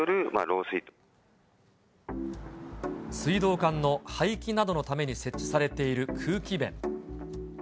水道管の排気などのために設置されている空気弁。